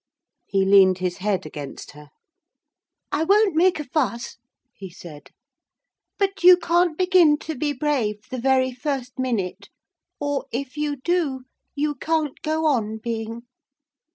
He leaned his head against her. 'I won't make a fuss,' he said, 'but you can't begin to be brave the very first minute. Or, if you do, you can't go on being.'